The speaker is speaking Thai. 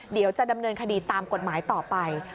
เดี๋ยวจะดำเนินคดีตามกฎหมายต่อไป